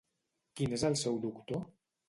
Quin és el seu doctor?